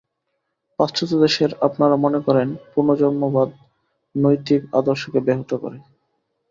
পাশ্চাত্য দেশের আপনারা মনে করেন, পুনর্জন্মবাদ নৈতিক আদর্শকে ব্যাহত করে।